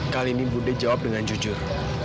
kali ini budi jawab dengan jujur